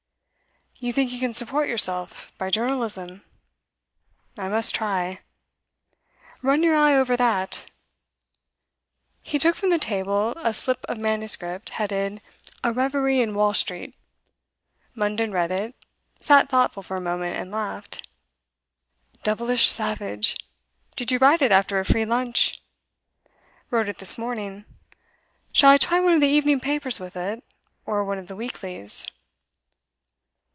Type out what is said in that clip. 'You think you can support yourself by journalism?' 'I must try. Run your eye over that.' He took from the table a slip of manuscript, headed, 'A Reverie in Wall Street.' Munden read it, sat thoughtful for a moment, and laughed. 'Devilish savage. Did you write it after a free lunch?' 'Wrote it this morning. Shall I try one of the evening papers with it, or one of the weeklies?